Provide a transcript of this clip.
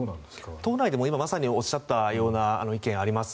党内でもまさに今おっしゃったような意見があります。